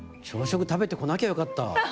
朝食食べてこなきゃよかった。